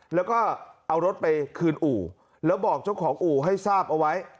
แล้วก็เอารถไปคืนอู่แล้วบอกเจ้าของอู่ให้ทราบเอาไว้